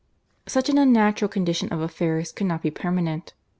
Such an unnatural condition of affairs could not be permanent.